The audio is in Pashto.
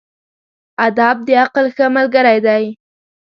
ادب د عقل ښه ملګری دی.